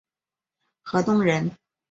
河东人。